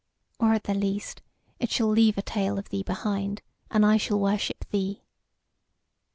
Or at the least, it shall leave a tale of thee behind, and I shall worship thee."